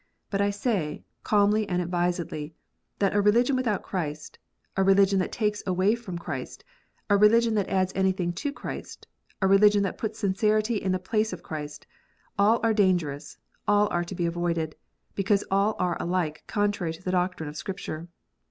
But I say, calmly and advisedly, that a religion without Christ, a religion that takes away from Christ, a religion that adds anything to Christ, a religion that puts sincerity in the place of Christ, all are dangerous : all arc to be avoided, because all are alike contrary to the doctrine of Scripture.